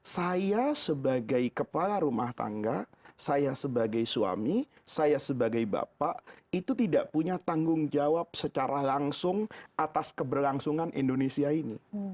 saya sebagai kepala rumah tangga saya sebagai suami saya sebagai bapak itu tidak punya tanggung jawab secara langsung atas keberlangsungan indonesia ini